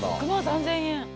「６万３０００円！」